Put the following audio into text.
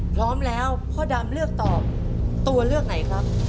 พร้อมแล้วพ่อดำเลือกตอบตัวเลือกไหนครับ